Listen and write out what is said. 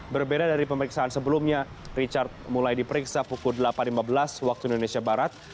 berbeda dari pemeriksaan sebelumnya richard mulai diperiksa pukul delapan lima belas waktu indonesia barat